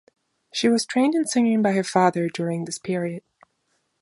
She was trained in singing by her father during this period.